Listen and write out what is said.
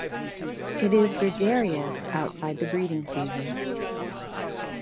It is gregarious outside the breeding season.